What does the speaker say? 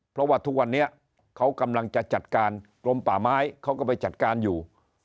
เพราะว่าทุกวันนี้เขากำลังจะจัดการกรมป่าไม้เขาก็ไปจัดการอยู่